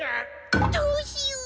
どうしよう？